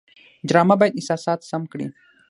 ډرامه باید احساسات سم کړي